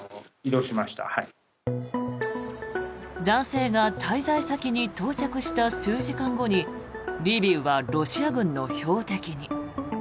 男性が滞在先に到着した数時間後にリビウはロシア軍の標的に。